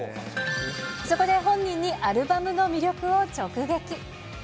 そこで、本人にアルバムの魅力を直撃。